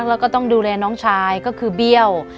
แล้วก็ต้องดูแลน้องชายก็คือเบี้ยว